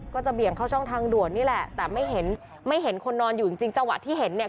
เบี่ยงเข้าช่องทางด่วนนี่แหละแต่ไม่เห็นไม่เห็นคนนอนอยู่จริงจริงจังหวะที่เห็นเนี่ย